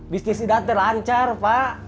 bisnis idante lancar pak